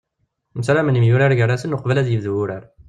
Msalamen yemyurar gar-asen uqbel ad ibdu wurar.